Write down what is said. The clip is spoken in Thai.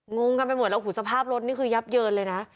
งงกันไปหมดแล้วโอ้โหสภาพรถนี่คือยับเยินเลยนะ